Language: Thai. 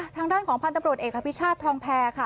ทางด้านของพันธุ์ตำรวจเอกอภิชาติทองแพรค่ะ